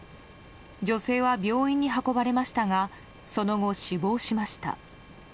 女性は病院に運ばれましたがその後、死亡しました。